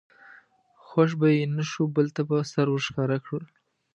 خوښ به یې نه شو بل ته به سر ور ښکاره کړ.